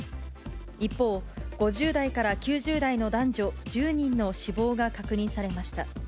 一方、５０代から９０代の男女１０人の死亡が確認されました。